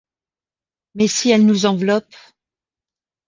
Mais si elles nous enveloppent ?